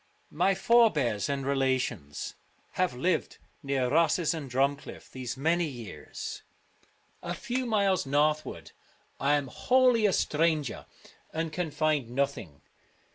My forebears and relations have lived near Rosses and DrumclirT these many years. A few miles northward I am wholly a stranger, and can find nothing.